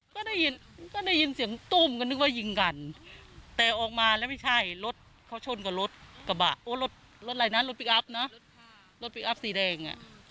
ก็ได้ยินก็ได้ยินเสียงตุ้มก็นึกว่ายิงกันแต่ออกมาแล้วไม่ใช่รถเขาชนกับรถกระบะโอ้รถรถอะไรนะรถพลิกอัพนะรถพลิกอัพสีแดงอ่ะ